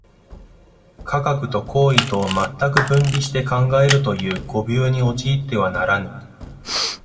科学と行為とを全く分離して考えるという誤謬に陥ってはならぬ。